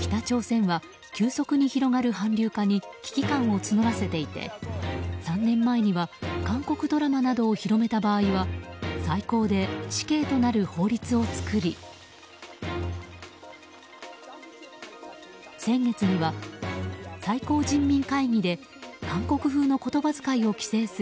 北朝鮮は、急速に広がる韓流化に危機感を募らせていて３年前には韓国ドラマなどを広めた場合は最高で死刑となる法律を作り先月には最高人民会議で韓国風の言葉遣いを規制する